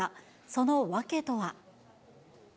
その訳とは。